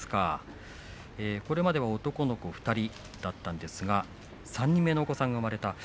これまでは男の子２人だったんですが３人目のお子さんが生まれた。